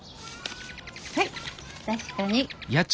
はい確かに。